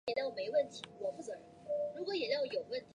江某畸节蜱为节蜱科畸节蜱属下的一个种。